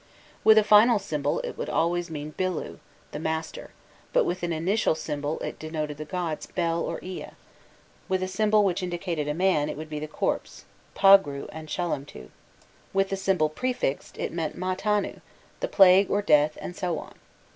With a final [symbol] it would always mean [symbol] bilu, the master, but with an initial [symbol] (thus [symbol]) it denoted the gods Bel or Ea; with [symbol]. which indicates a man [symbol], it would be the corpse, pagru and shalamtu; with [symbol] prefixed, it meant [symbol] mutanu, the plague or death and so on.